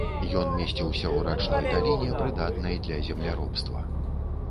Ён месціўся ў рачной даліне, прыдатнай для земляробства.